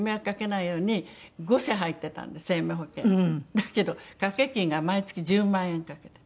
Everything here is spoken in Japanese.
だけど掛け金が毎月１０万円掛けてた。